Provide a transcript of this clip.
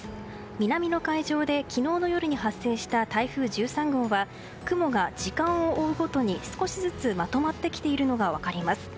南の海上で昨日の夜に発生した台風１３号は雲が時間を追うごとに少しずつまとまってきているのが分かります。